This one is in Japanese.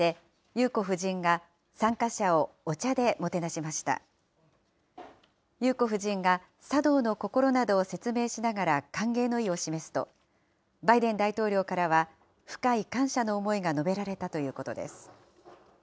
裕子夫人が、茶道の心などを説明しながら歓迎の意を示すと、バイデン大統領からは、深い感謝の思いが述べられたということです。